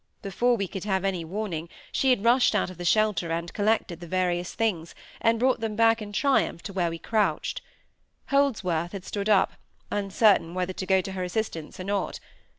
Before we could have any warning, she had rushed out of the shelter and collected the various things, and brought them back in triumph to where we crouched. Holdsworth had stood up, uncertain whether to go to her assistance or not.